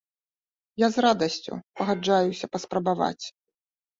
Я з радасцю пагаджаюся паспрабаваць.